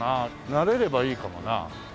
慣れればいいかもな。